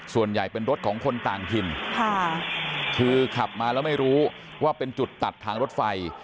ส่วนใหญ่เป็นรถของคนต่างถิ่นค่ะคือขับมาแล้วไม่รู้ว่าเป็นจุดตัดทางรถไฟ